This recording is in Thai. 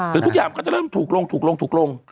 ทุกอย่างมันก็จะเริ่มถูกลงถูกลงถูกลง